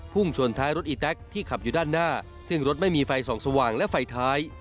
ชนท้ายรถอีแต๊กที่ขับอยู่ด้านหน้าซึ่งรถไม่มีไฟส่องสว่างและไฟท้าย